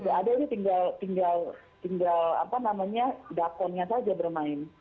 ada itu tinggal dakonnya saja bermain